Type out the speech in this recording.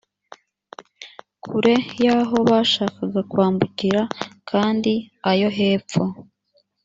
kure y aho bashakaga kwambukira kandi ayo hepfo